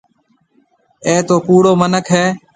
اَي تو ڪُوڙو مِنک هيَ۔